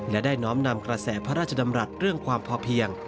และได้น้อมนำกระแสพระราชดำรัฐเรื่องความพอเพียง